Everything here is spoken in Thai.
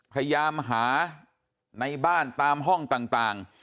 พยายามหาในบ้านตามห้องต่าง